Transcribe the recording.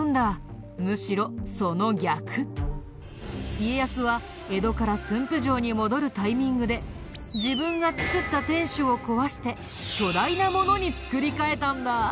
家康は江戸から駿府城に戻るタイミングで自分が造った天守を壊して巨大なものに造り替えたんだ！